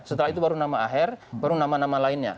setelah itu baru nama aher baru nama nama lainnya